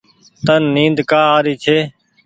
تن نيد ڪآ آري ڇي ۔